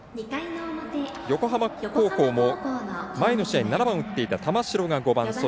横浜高校も前の試合７番を打っていた玉城が５番。